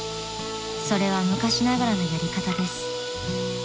［それは昔ながらのやり方です］